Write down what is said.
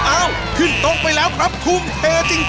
อ้าวขึ้นตรงไปแล้วครับทุ่มเทจริง